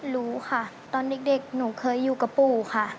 รู้ค่ะตอนเด็กหนูเคยอยู่กับปู่ค่ะ